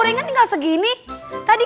nanti harus berhati hati